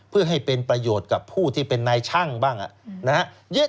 เพื่อให้เป็นประโยชน์กับผู้ที่เป็นนายช่างบ้างนะฮะ